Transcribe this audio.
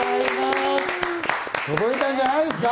届いたんじゃないですか？